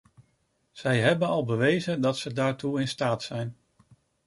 Zij hebben al bewezen dat ze daartoe in staat zijn.